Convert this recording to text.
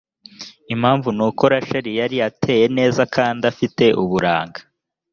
impamvu ni uko rasheli yari ateye neza kandi a te uburanga